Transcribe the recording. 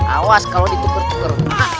awas kalau ditukar tukar